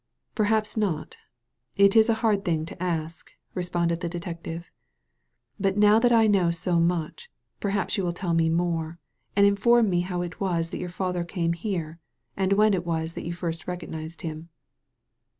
Perhaps not ; it is a hard thing to ask," responded the detective. " But now that I know so much, per haps you will tell me more, and inform me how it was that your father came here, and when it was that you first recognized him."